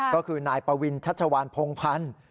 ก็คือนายปวินชัชวานพงพันธ์